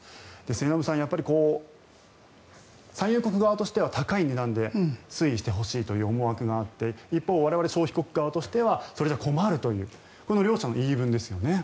末延さん、やっぱり産油国側としては高い値段で推移してほしいという思惑があって一方、我々消費国側としてはそれでは困るということでこの両者の言い分ですよね。